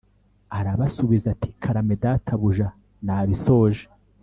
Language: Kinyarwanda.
Arasubiza ati karame databuja nabisoje